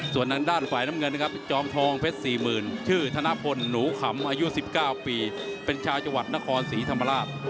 ส่วนทางด้านฝ่ายน้ำเงินนะครับจอมทองเพชร๔๐๐๐ชื่อธนพลหนูขำอายุ๑๙ปีเป็นชาวจังหวัดนครศรีธรรมราช